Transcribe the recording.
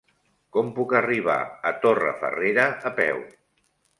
Com puc arribar a Torrefarrera a peu?